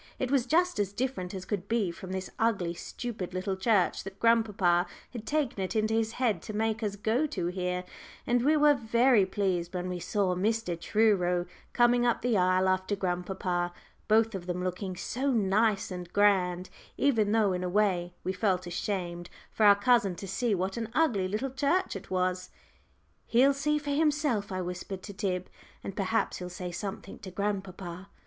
It was just as different as could be from this ugly, stupid little church that grandpapa had taken it into his head to make us go to here, and we were very pleased when we saw Mr. Truro coming up the aisle after grandpapa, both of them looking so nice and grand, even though in a way we felt ashamed for our cousin to see what an ugly little church it was. "He'll see for himself," I whispered to Tib, "and perhaps he'll say something to grandpapa."